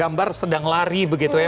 gambar sedang lari begitu ya